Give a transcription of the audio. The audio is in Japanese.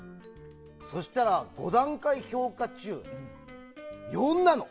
そうしたら５段階評価中、４なの。